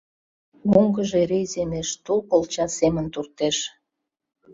оҥгыжо эре иземеш, тул колча семын туртеш.